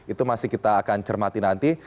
itu masih kita akan cermati nanti